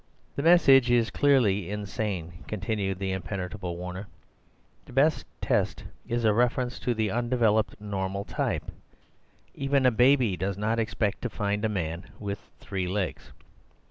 "The message is clearly insane," continued the impenetrable Warner. "The best test is a reference to the undeveloped normal type. Even a baby does not expect to find a man with three legs."